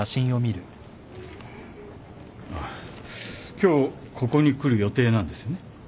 今日ここに来る予定なんですよね？